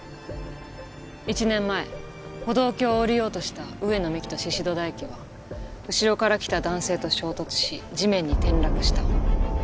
１年前歩道橋を下りようとした上野美貴と宍戸大樹は後ろから来た男性と衝突し地面に転落した。